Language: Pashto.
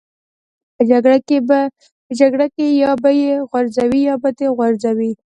په جګړه کې یا به یې غورځوې یا به دې غورځوي